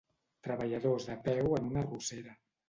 Treballadors de peu en una arrossera.